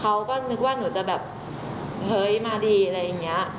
เขาก็นึกว่าหนูจะแบบเฮ้ยมาดีอะไรอย่างนี้